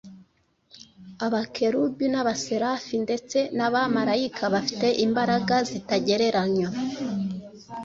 Abakerubi n’abaserafi ndetse n’abamarayika bafite imbaraga zitagereranywa